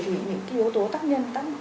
thì những cái yếu tố tác nhân